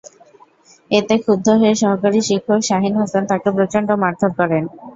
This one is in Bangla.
এতে ক্ষুব্ধ হয়ে সহকারী শিক্ষক শাহীন হোসেন তাকে প্রচণ্ড মারধর করেন।